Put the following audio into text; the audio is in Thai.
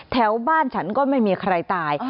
แถวบ้านฉันก็ไม่มีใครตาย